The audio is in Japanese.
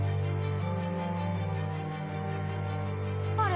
あれ？